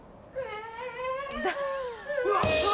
うわうわ。